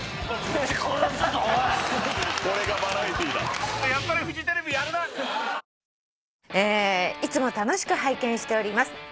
「いつも楽しく拝見しております。